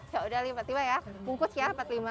ya udah empat puluh lima ya bungkus ya empat puluh lima